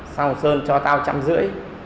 xong sơn cho tao trăm rưỡi